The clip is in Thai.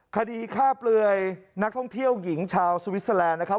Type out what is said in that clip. คดีฆ่าเปลือยนักท่องเที่ยวหญิงชาวสวิสเตอร์แลนด์นะครับ